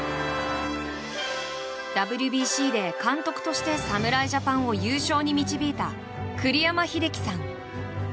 ＷＢＣで監督として侍ジャパンを優勝に導いた栗山英樹さん。